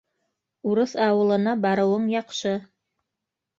Урыҫ ауылына барыуың яҡшы.